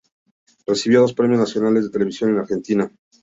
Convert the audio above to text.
Recibió dos premios nacionales de televisión en Argentina.